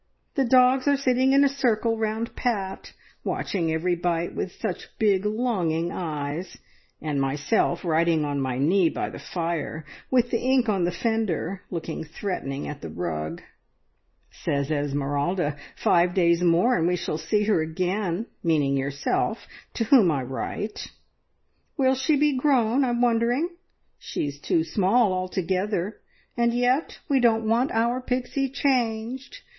The dogs are sitting in a circle round Pat, watching every bite with such big, longing eyes, and myself writing on my knee by the fire, with the ink on the fender, looking threatening at the rug! Says Esmeralda, `Five days more, and we shall see her again,' meaning yourself, to whom I write. `Will she be grown, I'm wondering! She's too small altogether, and yet we don't want our Pixie changed.